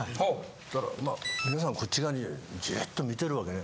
そしたら皆さんこっち側にジーッと見てるわけね。